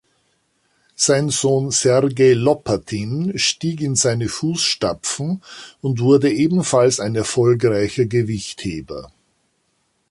Sein Sohn Sergei Lopatin stieg in seine Fußstapfen und wurde ebenfalls ein erfolgreicher Gewichtheber.